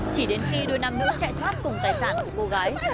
chỉ đến khi đôi nam nữ chạy thoát cùng tài sản của cô gái